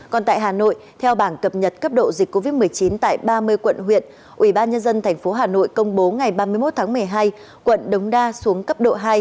còn tại hà nội theo bảng cập nhật cấp độ dịch covid một mươi chín tại ba mươi quận huyện ubnd tp hà nội công bố ngày ba mươi một tháng một mươi hai quận đống đa xuống cấp độ hai